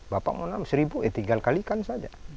bapak mau enam seribu ya tinggal kalikan saja